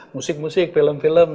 musik musik film film dan teater teater